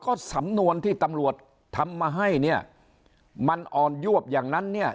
ก็สำนวนที่ตำรวจทำมาให้เนี่ยมันอ่อนยวบอย่างนั้นเนี่ย